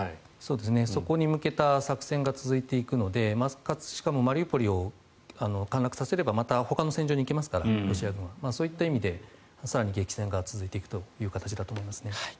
そこに向けた作戦が続いていくのでしかもマリウポリを陥落させればロシア軍はほかの戦場に行きますからそういった意味で更に激戦が続いていくという形だと思います。